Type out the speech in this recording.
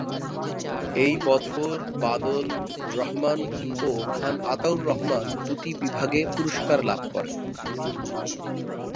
এই বছর বাদল রহমান ও খান আতাউর রহমান দুটি বিভাগে পুরস্কার লাভ করেন।